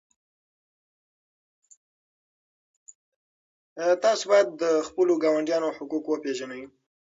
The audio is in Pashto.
تاسو باید د خپلو ګاونډیانو حقوق وپېژنئ.